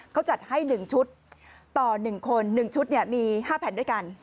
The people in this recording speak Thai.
เขาจัดให้๑ชุดต่อ๑คน๑ชุดมี๕แผ่นด้วยกัน